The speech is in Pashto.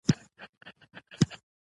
اداري اصلاح پرمختګ غواړي